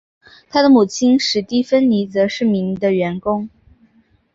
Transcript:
他的母亲史蒂芬妮则是名的员工。